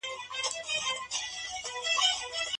طبي پوهنځۍ له پامه نه غورځول کیږي.